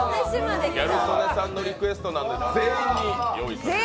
ギャル曽根さんのリクエストなんで、全員にご用意しました。